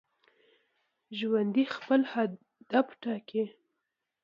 ژوندي خپل هدف ټاکي